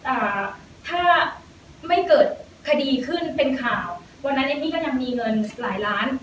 อ่าถ้าไม่เกิดคดีขึ้นเป็นข่าววันนั้นเอมมี่ก็ยังมีเงินหลายล้าน